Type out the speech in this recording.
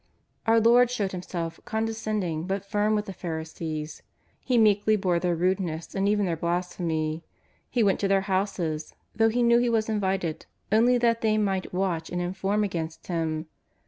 Our Lord showed Himself condescending but firm with the Pharisees. He meekly bore their rudeness and even their blasphemy. He went to their houses, though He knew He was invited only that they might watch and inform against Him.